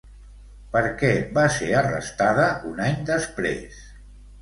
Per què va ser arrestada un any després?